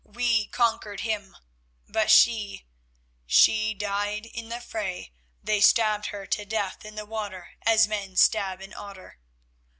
We conquered him, but she—she died in the fray; they stabbed her to death in the water as men stab an otter.